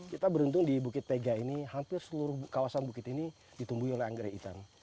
kita beruntung di bukit tega ini hampir seluruh kawasan bukit ini ditumbuhi oleh anggrek hitam